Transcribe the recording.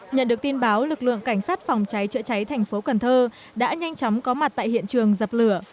nhận được tin báo lực lượng cảnh sát phòng cháy chữa cháy thành phố cần thơ đã nhanh chóng có mặt tại hiện trường dập lửa